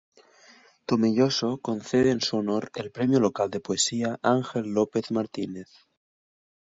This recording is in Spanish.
Tomelloso concede en su honor el premio local de poesía Ángel López Martínez.